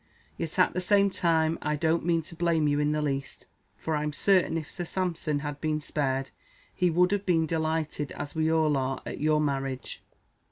Yet, at the same time, I don't mean to blame you in the least; for I'm certain, if Sir Sampson had been spared, he would have been delighted, as we all are, at your marriage."